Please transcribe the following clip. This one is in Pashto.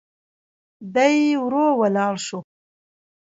دی ورو ولاړ شو.